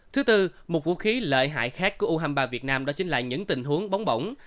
thứ tư một vũ khí lợi hại khác của u hai mươi ba việt nam đó chính là những tình huống bóng bỏng